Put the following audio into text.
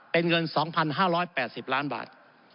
เป็นเงิน๒๕๘๐ล้านบาท